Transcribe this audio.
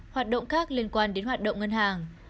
hoạt động khác liên quan đến hoạt động ngân hàng